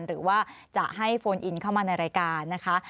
หรือว่าจะให้โฟนอินเข้ามาในรายการนะคะ